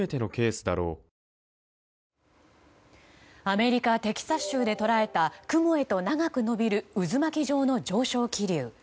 アメリカ・テキサス州で捉えた雲へと長く延びる渦巻き状の上昇気流。